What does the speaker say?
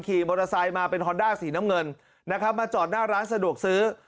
ขี่มอเตอร์ไซค์มาเป็นฮอนด้าสีน้ำเงินนะครับมาจอดหน้าร้านสะดวกซื้อ